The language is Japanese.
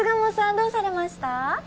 どうされました？